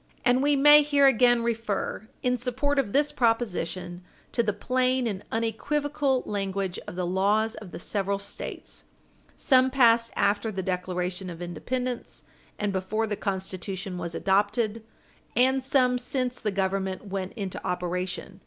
And we may here again refer in support of this proposition to the plain and unequivocal language of the laws of the several States, some passed after the Declaration of Independence and before the Constitution was adopted and some since the Government went into operation.